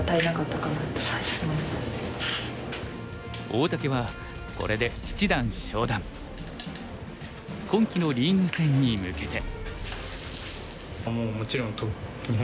大竹はこれで今期のリーグ戦に向けて。